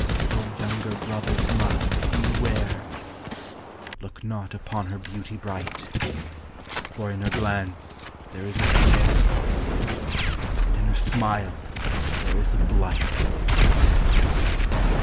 O, younger brothers mine, beware! Look not upon her beauty bright; For in her glance there is a snare, And in her smile there is a blight.